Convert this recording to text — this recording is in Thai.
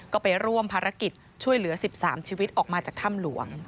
ก็ไปร่วมภารกิจช่วยเหลือ๑๓ชีวิตออกมาจากถ้ำหลวง